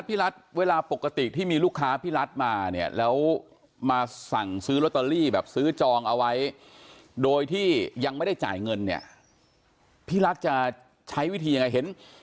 พี่รัฐเวลาปกติที่มีลูกค้าพี่รัฐมาเนี่ยแล้วมาสั่งซื้อลอตเตอรี่แบบซื้อจองเอาไว้โดยที่ยังไม่ได้จ่ายเงินเนี่ยพี่รัฐจะใช้วิธียังไงเห็น